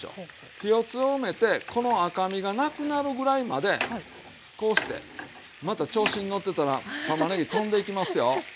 火を強めてこの赤みがなくなるぐらいまでこうしてまた調子に乗ってたらたまねぎ飛んでいきますよ。